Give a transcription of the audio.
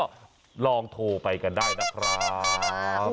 ก็ลองโทรไปกันได้นะครับ